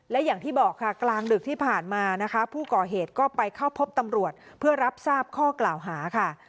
และอย่างที่บอกค่ะกลางดึกที่ผ่านมานะคะผู้ก่อเหตุก็ไปเข้าพบตำรวจเพื่อรับทราบข้อกล่าวหาค่ะ